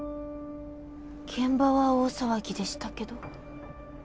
現場は大騒ぎでしたけど。